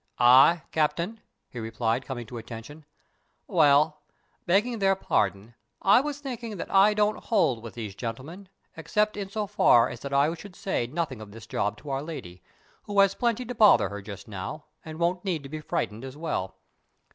"I, Captain," he replied, coming to attention. "Well, begging their pardon, I was thinking that I don't hold with these gentlemen, except in so far that I should say nothing of this job to our Lady, who has plenty to bother her just now, and won't need to be frightened as well.